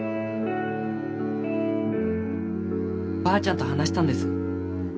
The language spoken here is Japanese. ばあちゃんと話したんです。